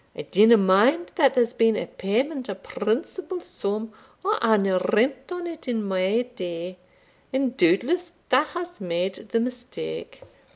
I dinna mind that there's been a payment of principal sum or annual rent on it in my day, and doubtless that has made the mistake."